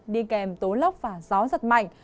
đi kèm tố lốc và gió giật mạnh